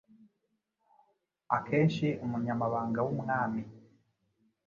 Akenshi umunyamabanga wumwami